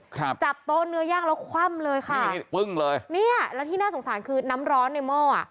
ครับจับโต๊ะเนื้อย่างแล้วคว่ำเลยค่ะมีดปึ้งเลยเนี้ยแล้วที่น่าสงสารคือน้ำร้อนในหม้ออ่ะ